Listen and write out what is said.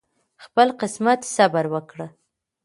خپل قسمت صبر وکړه